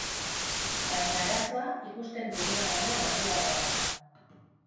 Baina arazoa ikusten duguna baino larriagoa da.